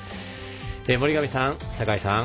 森上さん、酒井さん